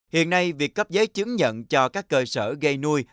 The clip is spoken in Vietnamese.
hiện nay việc cấp giấy chứng nhận cho các cơ sở gây nuôi